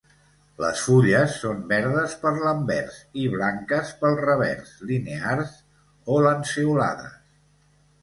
Les fulles són verdes per l'anvers i blanques pel revers, linears o lanceolades.